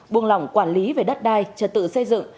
buông lỏng quản lý về đất đai trật tự xây dựng